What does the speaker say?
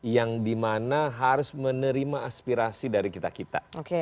yang dimana harus menerima aspirasi dari kita kita